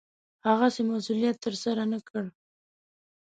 هغسې مسوولت ترسره نه کړ.